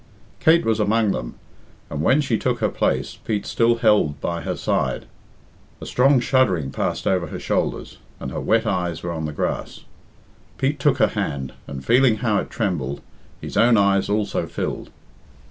Kate was among them, and, when she took her place, Pete still held by her side A strong shuddering passed over her shoulders, and her wet eyes were on the grass. Pete took her hand, and feeling how it trembled, his own eyes also filled.